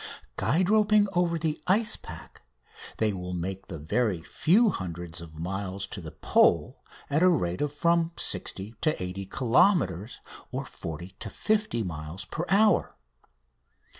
Guide roping over the ice pack, they will make the very few hundreds of miles to the Pole at the rate of from 60 to 80 kilometres (40 to 50 miles) per hour.